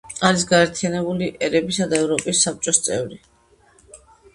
არის გაერთიანებული ერებისა და ევროპის საბჭოს წევრი.